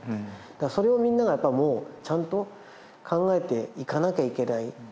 それをみんながもうちゃんと考えていかなきゃいけない。